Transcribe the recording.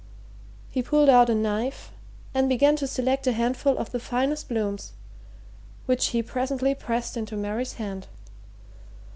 He pulled out a knife and began to select a handful of the finest blooms, which he presently pressed into Mary's hand.